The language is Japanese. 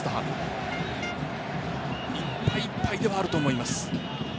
いっぱいいっぱいではあると思います。